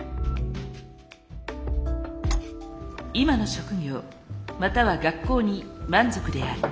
今の職業または学校に満足である。